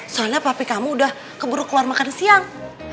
soalnya papi kamu udah keburu keluar makan siang